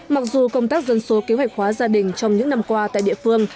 mặc dù công tác dân số kế hoạch hóa gia đình trong những năm qua tại địa phương